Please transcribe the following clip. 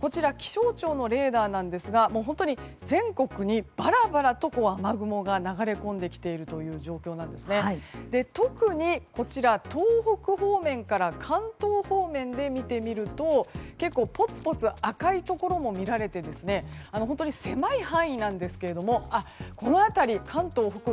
こちらは気象庁のレーダーですが本当に、全国にばらばらと雨雲が流れ込んできている状況で特に、東北方面から関東方面で見てみるとぽつぽつ赤いところも見られて本当に狭い範囲なんですがこの辺り、関東北部